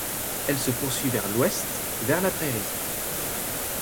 Elle se poursuit vers l'ouest vers La Prairie.